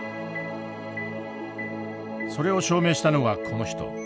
それを証明したのがこの人。